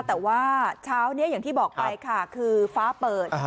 แต่ว่าเช้านี้อย่างที่บอกไปค่ะคือฟ้าเปิด